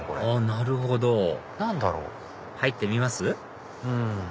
あなるほど何だろう？入ってみます？